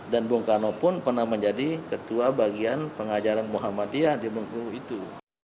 dan bung karno pun pernah menjadi ketua bagian pengajaran muhammadiyah di bengkulu itu